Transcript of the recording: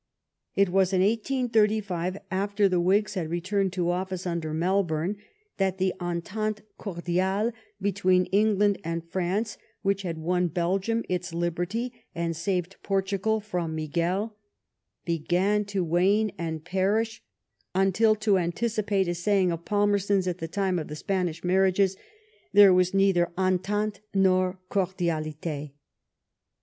It was in 1835, after the Whigs had returned to office under Melbourne, that the entente cordiale between England and France, which had won Belgium its liberty and saved Portugal from Miguel, began to wane and perish until, to anticipate a saying of Palmerston's at the time of the Spanish marriages, there was neither entente nor cordiality.